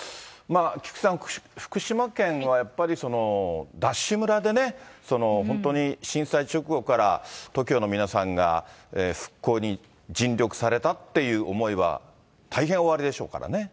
菊池さん、福島県は、やっぱりＤＡＳＨ村でね、本当に震災直後からＴＯＫＩＯの皆さんが復興に尽力されたっていう思いは大変おありでしょうからね。